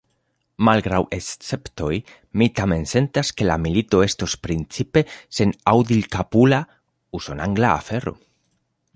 Malgraŭ esceptoj, mi tamen sentas, ke la milito estos principe senaŭdilkapula, usonangla afero.